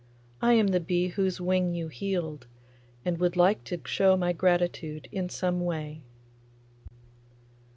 I am the bee whose wing you healed, and would like to show my gratitude in some way.